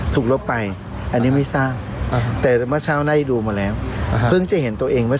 ถูกรบไปอันนี้มิทราณแต่มรอเช่าน่าดูหมดแล้วพึ่งจะเห็นตัวเองเมื่อ